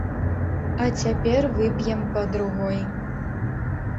А цяпер вып'ем па другой!